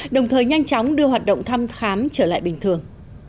đồng thời nhanh chóng đưa hoạt động thăm khám trở lại bình thường